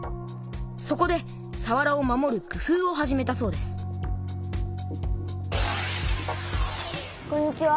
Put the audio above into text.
そこでさわらを守るくふうを始めたそうですこんにちは。